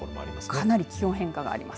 かなり気温変化があります。